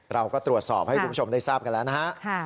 เราก็ตรวจสอบให้คุณผู้ชมได้ทราบกันแล้วนะฮะ